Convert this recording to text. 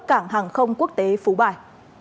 cảng hàng không quốc tế phú bài